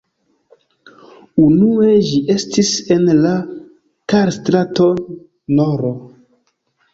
Unue ĝi estis en la Tal-strato nr.